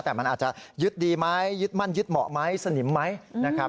แต่มันอาจจะยึดดีไหมยึดมั่นยึดเหมาะไหมสนิมไหมนะครับ